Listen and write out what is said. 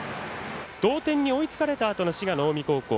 同点に追いつかれたあとの滋賀、近江高校。